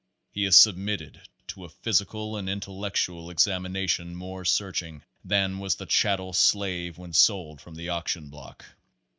He is submitted to a physical and intellectual examination more searching than was the chattel slave when sold from the auction block.